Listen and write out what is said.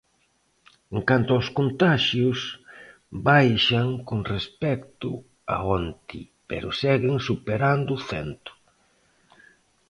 En canto aos contaxios, baixan con respecto a onte pero seguen superando o cento.